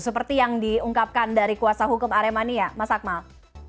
seperti yang diungkapkan dari kuasa hukum aremania mas akmal